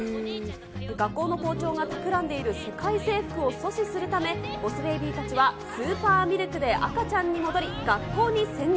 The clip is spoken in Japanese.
学校の校長が企んでいる世界征服を阻止するため、ボス・ベイビーたちはスーパーミルクで赤ちゃんに戻り、学校に潜入。